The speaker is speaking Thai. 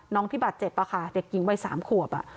ที่บาดเจ็บค่ะเด็กหญิงวัย๓ขวบ